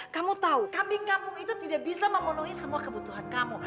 kamu tahu kambing kampung itu tidak bisa memenuhi semua kebutuhan kamu